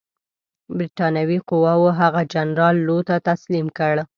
برټانوي قواوو هغه جنرال لو ته تسلیم کړ.